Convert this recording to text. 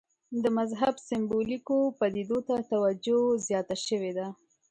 د مذهب سېمبولیکو پدیدو ته توجه زیاته شوې ده.